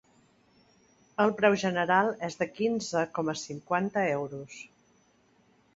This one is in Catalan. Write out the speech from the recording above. El preu general és de quinze coma cinquanta euros.